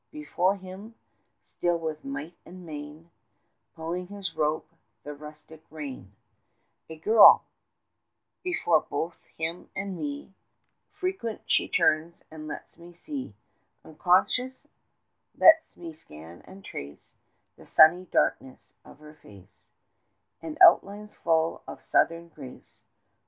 Before him, still with might and main Pulling his rope, the rustic rein, 15 A girl: before both him and me, Frequent she turns and lets me see, Unconscious, lets me scan and trace The sunny darkness of her face And outlines full of southern grace.